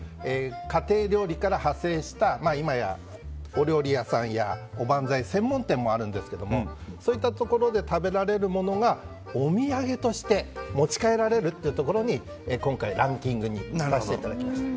家庭料理から派生した今やお料理屋さんやおばんざい専門店もあるんですがそういったところで食べられるものがお土産として持ち帰られるというところに今回、ランキングに入れていただきました。